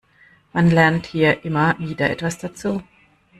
Man lernt hier immer wieder etwas dazu.